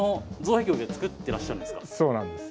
そうなんです。